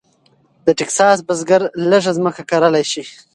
د ټیکساس بزګر لږه ځمکه کرلی شي.